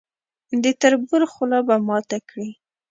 د تربور خوله به ماته کړي.